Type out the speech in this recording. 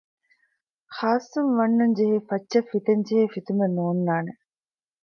ޚާއްސުން ވަންނަން ޖެހޭ ފައްޗެއް ފިތެން ޖެހޭ ފިތުމެއް ނޯންނާނެ